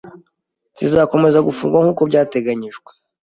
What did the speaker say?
zizakomeza gufungwa nkuko biteganyijwe